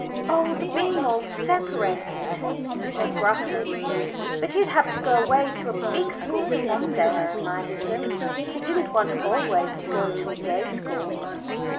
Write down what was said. "Oh, the being all separated," he said gruffly. "But you'd have had to go away to a big school some day," I reminded him. "You didn't want always to go to a day school."